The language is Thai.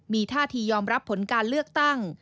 มีท่าทียอมรับผลการเลือกตั้ง